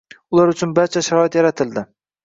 Ular uchun barcha sharoit yaratildi